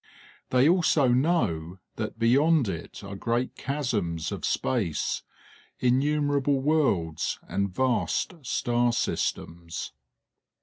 They also know that beyond it are great chasms of space, innumerable worlds, and vast star systems.